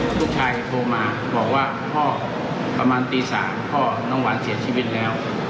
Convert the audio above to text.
โทรมาบอกว่าพ่อประมาณตี๓พ่อน้องหวานเสียชีวิตแล้ว